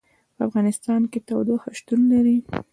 په افغانستان کې تودوخه شتون لري.